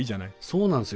そうなんですよ。